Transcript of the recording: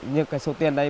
nhưng cái số tiền đấy